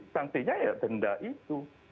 sanksinya ya denda itu